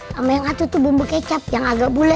sama yang ngatur tuh bumbu kecap yang agak bule